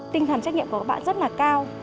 tinh thần trách nhiệm của các bạn rất là cao